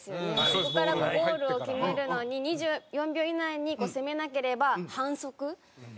そこからゴールを決めるのに２４秒以内に攻めなければ反則になってしまう。